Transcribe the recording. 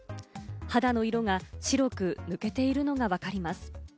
肌の色が白く抜けているのがわかります。